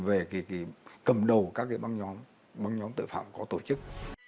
về cầm đầu các băng nhóm tội phạm có tổ chức